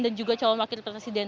dan juga calon wakil presiden